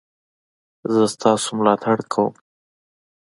زه ستاسو ملاتړ کوم